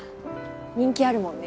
人気あるもんね。